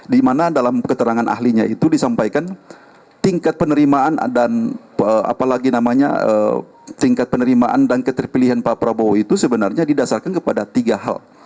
dimana dalam keterangan ahlinya itu disampaikan tingkat penerimaan dan keterpilihan pak prabowo itu sebenarnya didasarkan kepada tiga hal